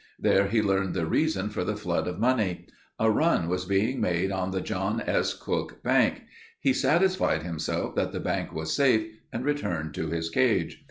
There he learned the reason for the flood of money. A run was being made on the John S. Cook bank. He satisfied himself that the bank was safe and returned to his cage.